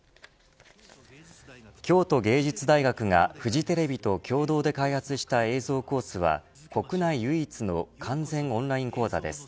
京都芸術大学がフジテレビと共同で開発した映像コースは国内唯一の完全オンライン講座です。